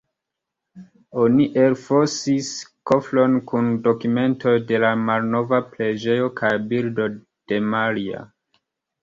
Oni elfosis kofron kun dokumentoj de la malnova preĝejo kaj bildo de Maria.